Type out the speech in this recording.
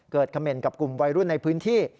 เกิดขเมนต์กับกลุ่มวัยรุ่นในพื้นที่